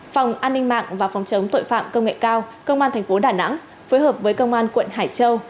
phòng an ninh mạng và phòng chống tội phạm công nghệ cao công an tp đà nẵng phối hợp với công an quận hải châu